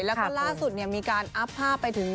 แล้วก็ล่าสุดมีการอัพภาพไปถึง